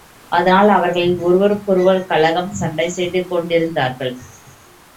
அதனால் அவர்களில் ஒருவருக்கொருவர் கலகம், சண்டை செய்து கொண்டிருந்தார்கள்.